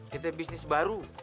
kita bisnis baru